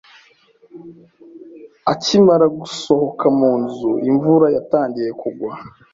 Akimara gusohoka mu nzu, imvura yatangiye kugwa.